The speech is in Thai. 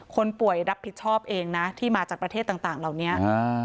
คนป่วยรับผิดชอบเองนะที่มาจากประเทศต่างเหล่านี้